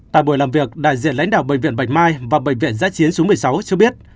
tại buổi làm việc đại diện lãnh đạo bệnh viện bạch mai và bệnh viện giã chiến số một mươi sáu cho biết